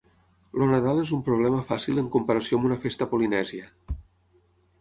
El Nadal és un problema fàcil en comparació amb una festa polinèsia.